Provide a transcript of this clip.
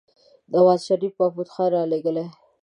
نوازشريف محمود خان رالېږي.